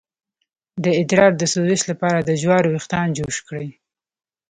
د ادرار د سوزش لپاره د جوارو ویښتان جوش کړئ